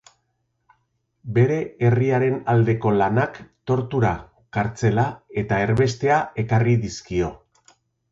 Bere herriaren aldeko lanak tortura, kartzela eta erbestea ekarri dizkio.